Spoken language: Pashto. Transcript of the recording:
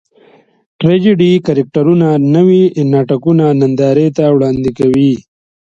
ټراجېډي کرکټرونه نوي ناټکونه نندارې ته وړاندې کوي.